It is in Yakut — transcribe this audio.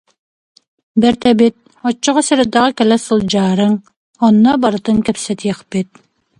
Бэрт эбит, оччоҕо сэрэдэҕэ кэлэ сылдьаарыҥ, онно барытын кэпсэтиэхпит